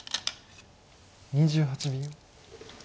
２８秒。